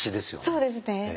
そうですね。